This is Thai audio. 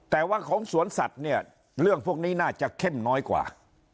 แต่ว่าของสวนสัตว์เนี่ยเรื่องพวกนี้น่าจะเข้มน้อยกว่า